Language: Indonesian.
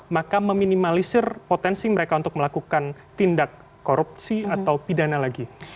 maka meminimalisir potensi mereka untuk melakukan tindak korupsi atau pidana lagi